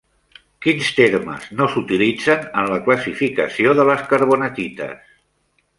Quins termes no s'utilitzen en la classificació de les carbonatites?